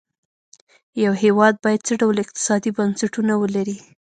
یو هېواد باید څه ډول اقتصادي بنسټونه ولري.